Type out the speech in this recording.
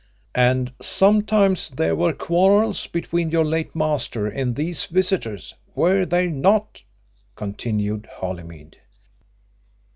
"And sometimes there were quarrels between your late master and these visitors, were there not?" continued Holymead.